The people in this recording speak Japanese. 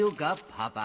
パパ。